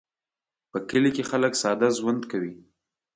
په کلي کې خلک ساده ژوند کوي